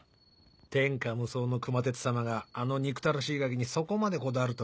天下無双の熊徹様があの憎たらしいガキにそこまでこだわるとはね。